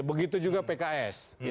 begitu juga pks